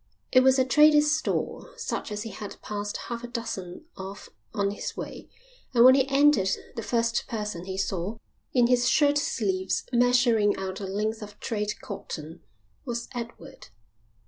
It was a trader's store, such as he had passed half a dozen of on his way, and when he entered the first person he saw, in his shirt sleeves, measuring out a length of trade cotton, was Edward.